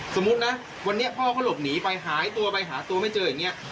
สมมุตินะวันนี้พ่อเขาหลบหนีไปหายตัวไปหาตัวไม่เจออย่างนี้